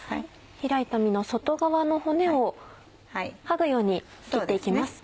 開いた身の外側の骨を剥ぐように切って行きます。